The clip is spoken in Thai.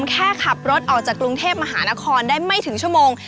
แค่ขับรถออกจากกรุงเทพมหานครได้ไม่ถึงชั่วโมง